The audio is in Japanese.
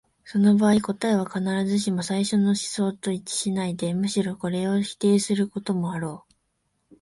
その場合、答えは必ずしも最初の思想と一致しないで、むしろこれを否定することもあろう。